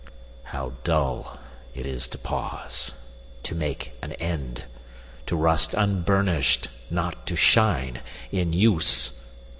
How dull it is to pause, to make an end, To rust unburnish'd, not to shine in use!